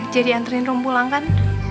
jadi anterin rom pulang kan